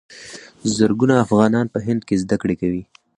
زرګونه افغانان په هند کې زده کړې کوي.